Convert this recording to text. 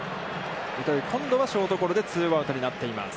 糸井、今度はショートゴロでツーアウトになっています。